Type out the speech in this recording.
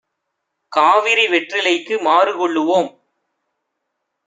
காவிரி வெற்றிலைக்கு மாறுகொள்ளு வோம்